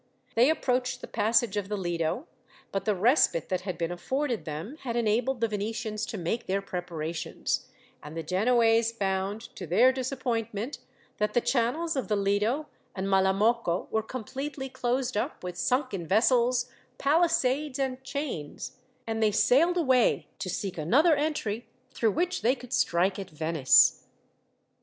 They approached the passage of the Lido; but the respite that had been afforded them had enabled the Venetians to make their preparations, and the Genoese found, to their disappointment, that the channels of the Lido and Malamocco were completely closed up with sunken vessels, palisades, and chains; and they sailed away to seek another entry through which they could strike at Venice.